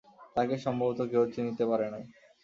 তাহাকে সম্ভবত কেহ চিনিতে পারে নাই।